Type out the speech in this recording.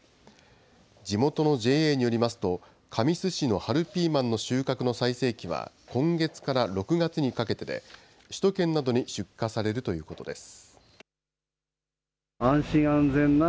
地元のＪＡによりますと、神栖市の春ピーマンの収穫の最盛期は今月から６月にかけてで、首都圏などに出荷されるということです。